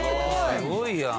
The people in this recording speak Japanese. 「すごいやん」